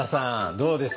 どうですか？